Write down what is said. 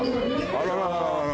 あらららら。